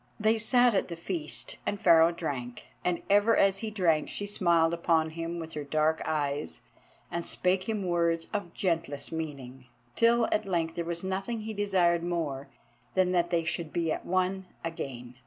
They sat at the feast and Pharaoh drank. And ever as he drank she smiled upon him with her dark eyes and spake him words of gentlest meaning, till at length there was nothing he desired more than that they should be at one again.